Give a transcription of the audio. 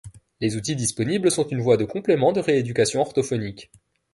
Les outils disponibles sont une voie de complément de rééducation orthophonique.